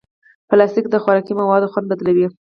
پلاستيک د خوراکي موادو خوند بدلوي.